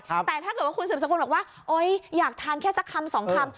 แต่ถ้าเกิดว่าคุณสืบสกุลบอกว่าโอ๊ยอยากทานแค่สักคำสองคำ